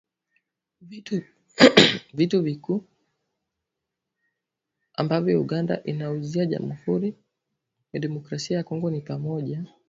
Vitu vikuu ambavyo Uganda inaiuzia Jamuhuri ya Demokrasia ya Kongo ni pamoja